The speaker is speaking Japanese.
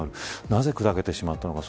なぜ砕けてしまったのか